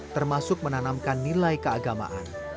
termasuk menanamkan nilai keagamaan